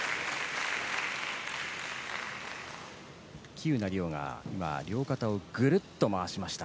喜友名諒が今、両肩をぐるっと回しました。